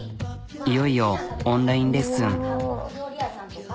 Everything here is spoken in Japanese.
いよいよオンラインレッスン。